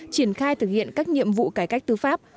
triển khai thực hiện các nhiệm vụ cải cách tư pháp